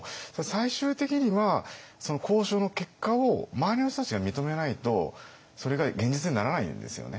最終的にはその交渉の結果を周りの人たちが認めないとそれが現実にならないんですよね。